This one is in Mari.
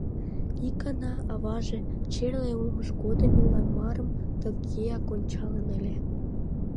Ик гана аваже, черле улмыж годым, Иллимарым тыгеак ончалын ыле.